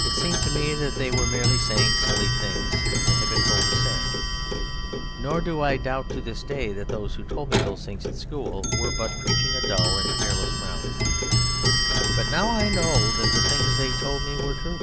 It seemed to me that they were merely saying silly things they had been told to say. Nor do I doubt to this day that those who told me these things at school were but preaching a dull and careless round. But now I know that the things they told me were true.